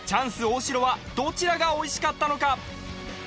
大城はどちらがおいしかったのか？